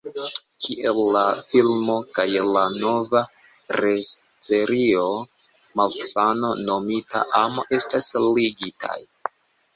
Kiel la filmo kaj la nova retserio Malsano Nomita Amo estas ligitaj?